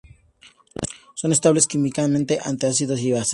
Son estables químicamente ante ácidos y bases.